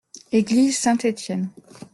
Église Saint-Étienne.